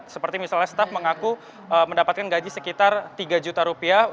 seperti misalnya staff mengaku mendapatkan gaji sekitar tiga juta rupiah